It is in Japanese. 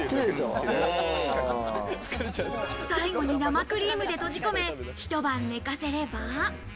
最後に生クリームで閉じ込め、一晩寝かせれば。